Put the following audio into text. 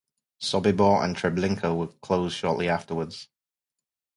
Sobibor and Treblinka were closed shortly afterwards.